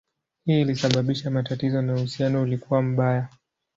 Hii ilisababisha matatizo na uhusiano ulikuwa mbaya.